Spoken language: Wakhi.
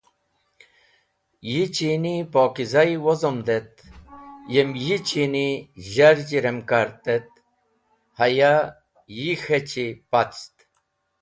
Yi chini pokizayi wozomd et yem yi chini zharzhi rem kart et haya yi k̃hechi pact.